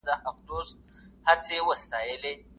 د پوستي خدمتونو سیسټم څنګه کار کاوه؟